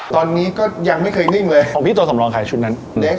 ตอนนี้ก็ยังไม่เคยยิงเรื่องไว้ของพี่ตัวสำรองค์ขายชุดนั้น